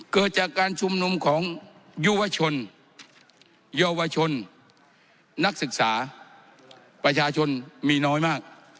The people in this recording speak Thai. เกิดจากการชุมนุมของยุวชนเยาวชนนักศึกษาประชาชนมีน้อยมาก